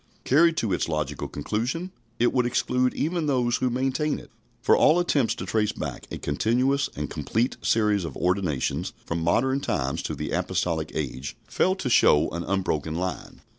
Carried to its logical conclusion, it would exclude even those who maintain it; for all attempts to trace back a continuous and complete series of ordinations from modern times to the apostolic age fail to show an unbroken line.